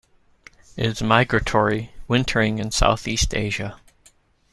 It is migratory, wintering in south-east Asia.